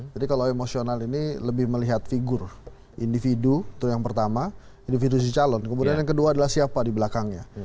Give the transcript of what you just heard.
jadi kalau emosional ini lebih melihat figur individu itu yang pertama individu si calon kemudian yang kedua adalah siapa di belakangnya